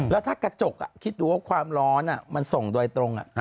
แล้วถ้ากระจกคิดดูว่าความร้อนมันส่งโดยตรง